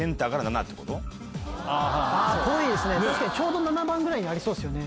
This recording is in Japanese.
確かにちょうど７番ぐらいにありそうですよね。